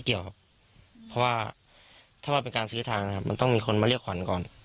เกี่ยวครับเพราะว่าถ้าว่าเป็นการซื้อทางนะครับมันต้องมีคนมาเรียกขวัญก่อน